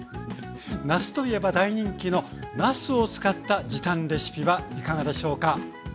夏といえば大人気のなすを使った時短レシピはいかがでしょうか？